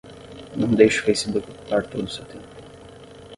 Não deixe o Facebook ocupar todo o seu tempo.